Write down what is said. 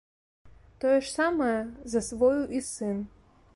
Тое ж самае засвоіў і сын.